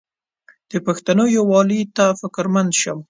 د پښتنو یووالي ته فکرمند شم.